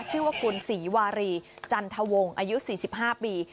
ชื่อว่าคุณศรีวารีจันทวงอายุ๔๕ปี